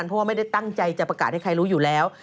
เพราะว่าไม่ได้ตั้งใจจะประกาศให้ใครรู้อยู่แล้ว